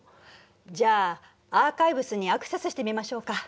じゃあアーカイブスにアクセスしてみましょうか？